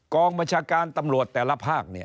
กองมจการตำรวจแต่ละภาค